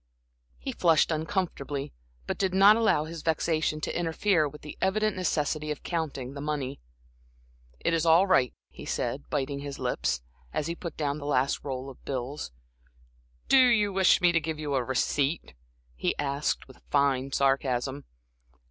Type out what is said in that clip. He flushed uncomfortably, but did not allow his vexation to interfere with the evident necessity of counting the money. "It is all right," he said, biting his lips, as he put down the last roll of bills. "Do you wish me to give you a receipt?" he asked, with fine sarcasm.